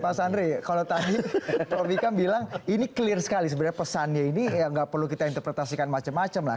mas andre kalau tadi prof ikam bilang ini clear sekali sebenarnya pesannya ini nggak perlu kita interpretasikan macam macam lah